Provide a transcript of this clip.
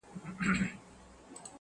o اول نوک ځاى که، بيا سوک!